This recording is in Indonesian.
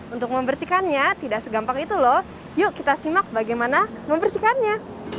untuk membersihkannya tidak segampang itu loh yuk kita simak bagaimana membersihkannya